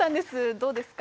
どうですか？